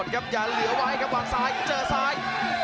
อย่าเหลือไว้ครับวางซ้ายเจอซ้าย